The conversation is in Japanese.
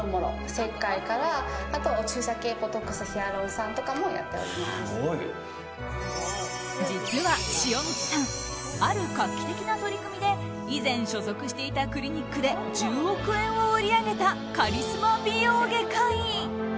切開から、注射系ボトックス、ヒアルロン酸とかも実は塩満さんある画期的な取り組みで以前、所属していたクリニックで１０億円を売り上げたカリスマ美容外科医。